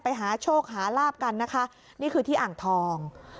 ไปหาโชคหาลาบกันนะคะนี่คือที่อ่างทอง